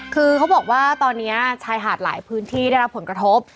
คือเขาบอกว่าตอนนี้ชายหาดหลายพื้นที่ได้รับผลกระทบ